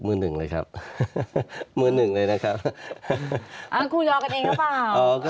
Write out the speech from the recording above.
คุณลองกันเองหรือเปล่า